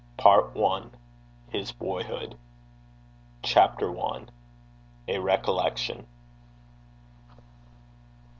PART I. HIS BOYHOOD. CHAPTER I. A RECOLLECTION.